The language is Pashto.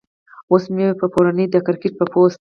اوس مې پۀ پروني د کرکټ پۀ پوسټ